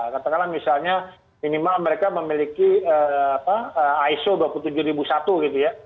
katakanlah misalnya minimal mereka memiliki iso dua puluh tujuh ribu satu gitu ya